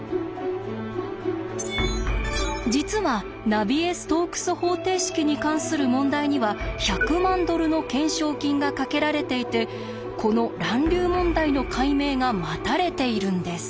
実はナビエ・ストークス方程式に関する問題には１００万ドルの懸賞金がかけられていてこの乱流問題の解明が待たれているんです。